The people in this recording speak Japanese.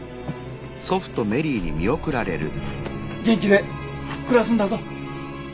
元気で暮らすんだぞ。